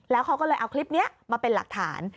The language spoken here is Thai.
แล้วเขาก็เลยเอาคลิปนี้มาเป็นหลักฐาน